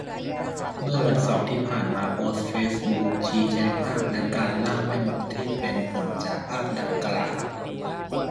เมื่อวันเสาร์ที่ผ่านมาโพสต์เฟซบุ๊กชี้แจงภาพและการ ล่าแม่มด ที่เป็นผลจากภาพดังกล่า